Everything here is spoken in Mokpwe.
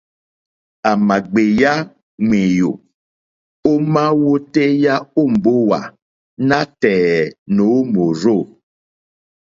À mà gbèyá ŋwèyò ómá wótéyá ó mbówà nátɛ̀ɛ̀ nǒ mòrzô.